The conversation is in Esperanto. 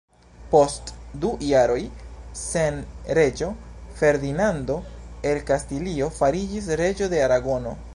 Post du jaroj sen reĝo, Ferdinando el Kastilio fariĝis reĝo de Aragono.